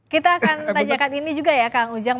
kita akan tanyakan ini juga ya kang ujang